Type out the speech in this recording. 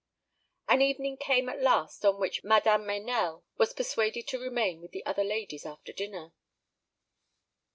An evening came at last on which Madame Meynell was persuaded to remain with the other ladies after dinner.